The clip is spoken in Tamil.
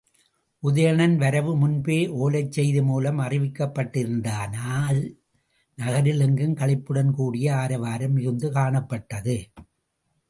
உதயணன் வரவு முன்பே ஒலைச் செய்தி மூலம் அறிவிக்கப்பட்டிருந்ததனால், நகரில் எங்கும் களிப்புடன் கூடிய ஆரவாரம் மிகுந்து காணப்பட்டது.